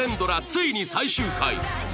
ついに最終回